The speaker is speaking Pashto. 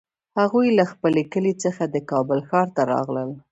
هغوی له خپل کلي څخه د کابل ښار ته راغلل